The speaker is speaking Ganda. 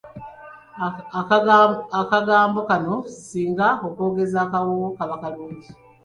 Akagambo kano singa okoogeza kawoowo kaba kalungi.